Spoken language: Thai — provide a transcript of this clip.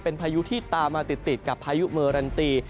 เป็นพายุที่ตามมาติดกับพายุเมอรันตี